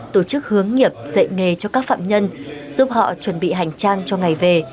tổ chức hướng nghiệp dạy nghề cho các phạm nhân giúp họ chuẩn bị hành trang cho ngày về